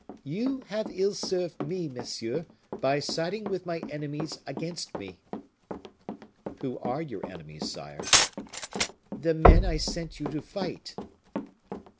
"You have ill served me, monsieur, by siding with my enemies against me." "Who are your enemies, sire?" "The men I sent you to fight."